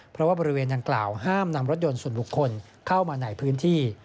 เพราะว่าบริเวณดังกล่าวห้ามนำรถยนต์ส่วนบุคคลเข้ามาในพื้นที่